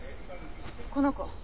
この子？